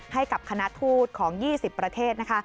ให้กับคณะทูตของ๒๐ประเทศนะคะ